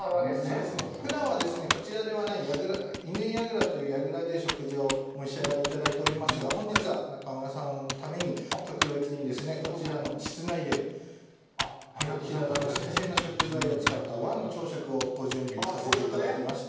そうですね。ふだんは、こちらではない乾櫓という櫓で食事をお召し上がりいただいておりますが、本日は中丸さんのために特別にこちらの室内で平戸の新鮮な食材を使った和の朝食をご準備させていただきました。